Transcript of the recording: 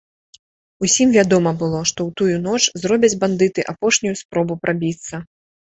Усім вядома было, што ў тую ноч зробяць бандыты апошнюю спробу прабіцца.